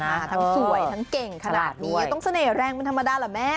ทั้งสวยทั้งเก่งขนาดนี้ต้องเสน่หแรงเป็นธรรมดาเหรอแม่